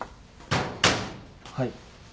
はい。